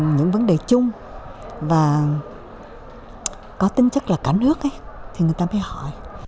những vấn đề chung và có tính chất là cả nước thì người ta phải hỏi